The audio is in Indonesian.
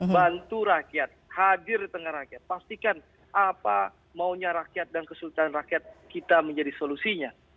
bantu rakyat hadir di tengah rakyat pastikan apa maunya rakyat dan kesultanan rakyat kita menjadi solusinya